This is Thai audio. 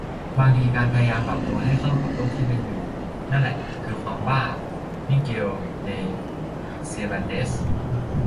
"บางทีการพยายามปรับตัวให้เข้ากับโลกที่เป็นอยู่นั่นแหละคือความบ้า " - มิเกล เด เซร์บันเตส